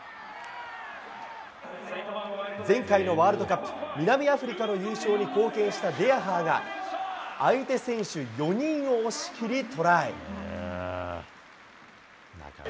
前回のワールドカップ、南アフリカの優勝に貢献したデヤハーが、相手選手４人を押し切りトライ。